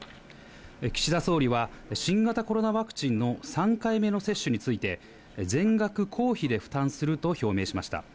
岸田総理は、新型コロナワクチンの３回目の接種について、全額、公費で負担すると表明しました。